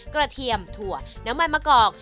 เทียมถั่วน้ำมันมะกอก